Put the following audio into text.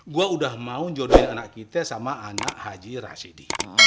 gue udah mau jodohin anak kita sama anak haji rashidi